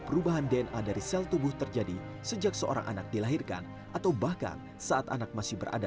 perubahan dna dari sel tubuh terjadi sejak seorang anak dilahirkan atau bahkan saat anak masih berada